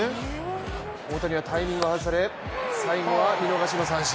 大谷はタイミングが外れ最後は見逃しの三振。